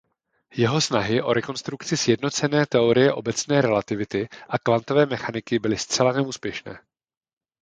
Jeho snahy o konstrukci sjednocené teorie obecné relativity a kvantové mechaniky byly zcela neúspěšné.